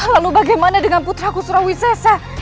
lalu bagaimana dengan putraku surawisesa